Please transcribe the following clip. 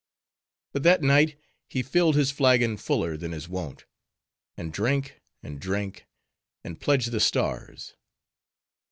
But that night, he filled his flagon fuller than his wont, and drank, and drank, and pledged the stars.